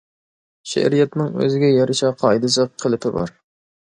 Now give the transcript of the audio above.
شېئىرىيەتنىڭمۇ ئۆزىگە يارىشا قائىدىسى، قېلىپى بار.